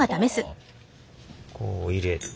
こう入れて。